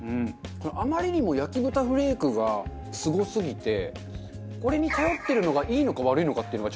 あまりにも焼豚フレークがすごすぎてこれに頼ってるのがいいのか悪いのかっていうのが。